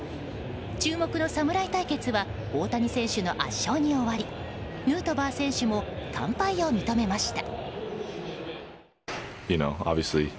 注目の侍対決は大谷選手の圧勝に終わりヌートバー選手も完敗を認めました。